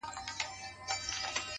• ستا وه ځوانۍ ته دي لوگى سمه زه ـ